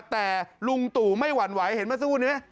แต่ลุงตู่ไม่หวั่นไหวเห็นมันสู้ไหม